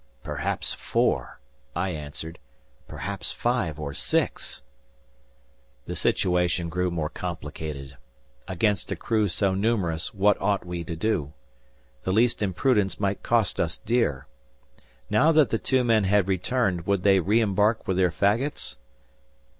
"Perhaps four," I answered, "perhaps five or six!" The situation grew more complicated. Against a crew so numerous, what ought we to do? The least imprudence might cost us dear! Now that the two men had returned, would they re embark with their faggots?